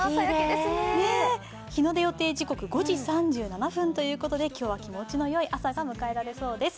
日の出予定時刻５時３７分ということで今日は気持ちのよい朝が迎えられそうです。